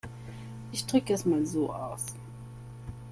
Ich drücke es mal so aus.